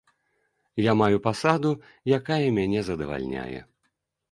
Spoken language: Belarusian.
Я маю пасаду, якая мяне задавальняе.